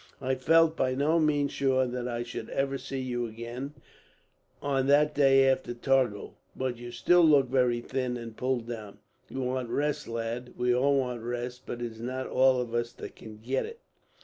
"I felt by no means sure that I should ever see you again, on that day after Torgau; but you still look very thin and pulled down. You want rest, lad. We all want rest, but it is not all of us that can get it."